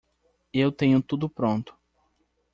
Eu tenho tudo pronto.